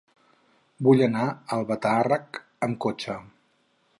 Vull anar a Albatàrrec amb cotxe.